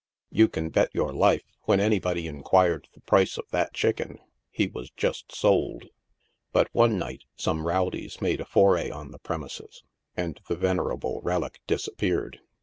You can bet your life, when anybody inquired the price of that chicken, he was just sold ; but one night some rowdies made a foray on the premises, and the venerable relic disappeared.